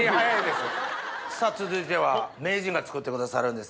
さぁ続いては名人が作ってくださるんですね。